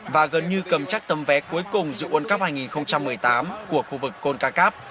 và gần như cầm chắc tấm vé cuối cùng dự ôn cấp hai nghìn một mươi tám của khu vực concacaf